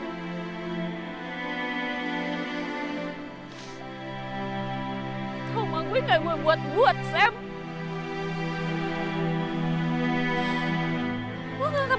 di saat gue ngejalin hubungan sama orang lain